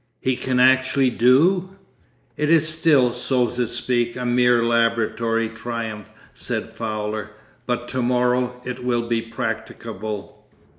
'He can actually do——?' 'It is still, so to speak, a mere laboratory triumph,' said Fowler, 'but to morrow it will be practicable.